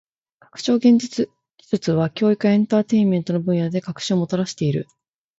拡張現実技術は教育やエンターテインメントの分野で革新をもたらしている。